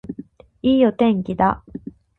いいお天気だ